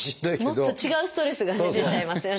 もっと違うストレスが出ちゃいますよね。